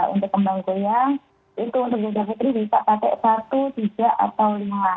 untuk kembang goyang itu untuk ganda putri bisa pakai satu tiga atau lima